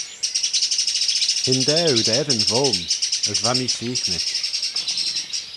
Hyndaa oo dt'eddin voym: as va mee seaghnit.